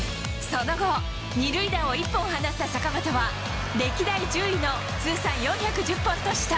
その後、２塁打を１本放った坂本は歴代１０位の通算４１０本とした。